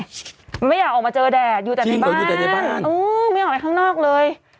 ไม่อยากออกมาเจอแดดอยู่แต่ในบ้านไม่ออกไปข้างนอกเลย